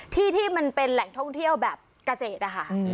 ที่ที่มันเป็นแหล่งท่องเที่ยวแบบเกษตรนะคะ